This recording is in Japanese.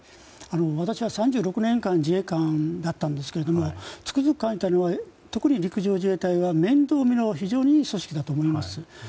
私は３６年間自衛官だったんですけれどもつくづく感じたのは特に陸上自衛隊は面倒見が非常にいい組織だと思います。